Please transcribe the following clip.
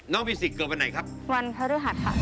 น้องมิวซิกเกิดไปไหนครับวันคนรอหรือหัดครับ